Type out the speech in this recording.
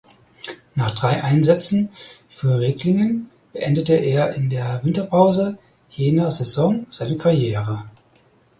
Nach drei Einsätzen für Ricklingen beendete er in der Winterpause jener Saison seine Karriere.